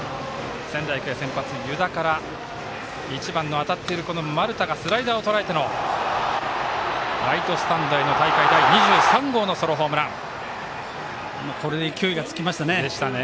仙台育英、先発、湯田から１番の当たっている丸田がスライダーをとらえてのライトスタンドへのこれで勢いがつきましたね。